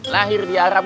lahir di arab